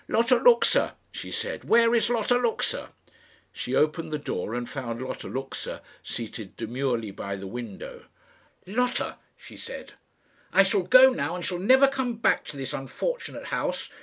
"Lotta Luxa," she said, " where is Lotta Luxa?" She opened the door, and found Lotta Luxa seated demurely by the window. "Lotta," she said, "I shall go now, and shall never come back to this unfortunate house.